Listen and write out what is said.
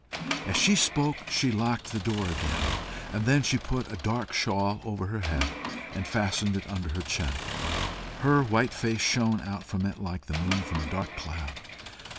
As she spoke she locked the door again. Then she put a dark shawl over her head, and fastened it under her chin. Her white face shone out from it like the moon from a dark cloud.